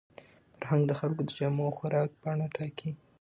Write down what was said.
فرهنګ د خلکو د جامو او خوراک بڼه ټاکي.